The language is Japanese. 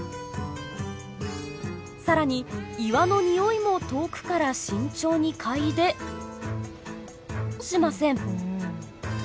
更に岩のニオイも遠くから慎重にかいでしません。